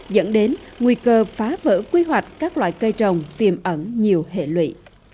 dẫn đến nguy cơ phá vỡ quy hoạch các loại cây trồng tiềm ẩn nhiều hệ lụy